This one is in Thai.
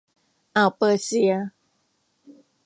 อ่าวเปอร์เซีย